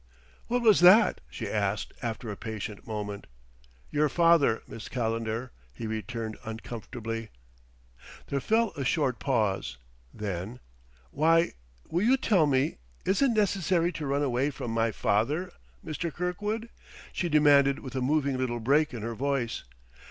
"What was that?" she asked after a patient moment. "Your father, Miss Calendar," he returned uncomfortably. There fell a short pause; then: "Why will you tell me is it necessary to run away from my father, Mr. Kirkwood?" she demanded, with a moving little break in her voice.